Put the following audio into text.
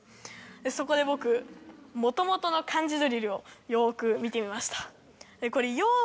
そこで僕もともとの漢字ドリルをよく見てみました。